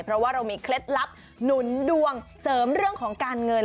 เพราะว่าเรามีเคล็ดลับหนุนดวงเสริมเรื่องของการเงิน